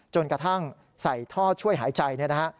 จนกระทั่งใส่ท่อช่วยหายใจเนี่ยนะฮะ